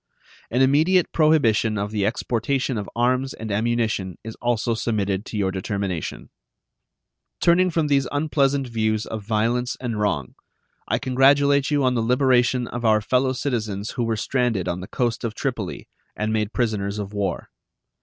An immediate prohibition of the exportation of arms and ammunition is also submitted to your determination. Turning from these unpleasant views of violence and wrong, I congratulate you on the liberation of our fellow citizens who were stranded on the coast of Tripoli and made prisoners of war.